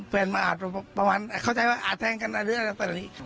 แฟนมาอาดแทงกันแล้วเต็ดอันนี้